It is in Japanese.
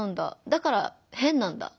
だから変なんだ。